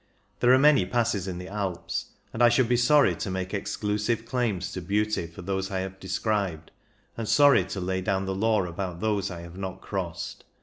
There are many passes in the Alps, and I should be sorry to make exclusive claims to beauty for those I have described, and sorry to lay down the law about those I have not crossed.